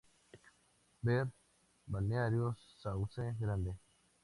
Ver Balneario Sauce Grande.